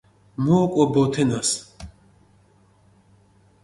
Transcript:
მუ ოკო ბო თენას